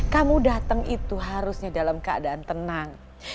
kamu datang itu harusnya dalam keadaan tenang